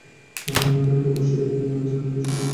এতে অবশ্যই রয়েছে নিদর্শন, কিন্তু ওদের অধিকাংশই মুমিন নয়।